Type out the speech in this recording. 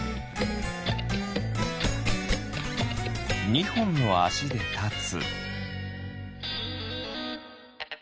２ほんのあしでたつ。